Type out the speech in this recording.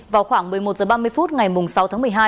vào khoảng một mươi một h ba mươi phút ngày sáu tháng một mươi hai